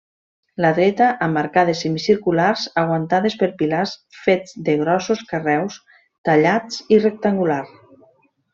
La dreta, amb arcades semicirculars aguantades per pilars fets de grossos carreus tallats i rectangular.